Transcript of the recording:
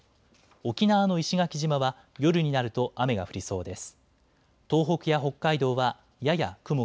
沖縄の石垣島は夜になると雨が降りそうです。